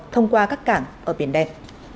thông qua các cảng ở biển đen